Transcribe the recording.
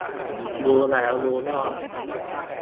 รู้แล้วรู้รอด